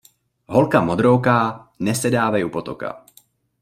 Holka modrooká nesedávej u potoka.